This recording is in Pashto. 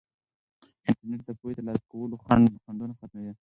انټرنیټ د پوهې د ترلاسه کولو خنډونه ختموي.